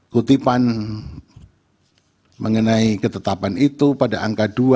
kutipan mengenai ketetapan itu pada angka dua